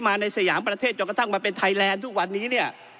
มาในสยามประเทศจนกระทั่งมาเป็นไทยแลนด์ทุกวันนี้เนี่ย